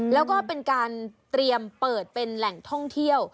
แล้วก็เป็นการเตรียมเปิดเป็นแหล่งท่องเที่ยว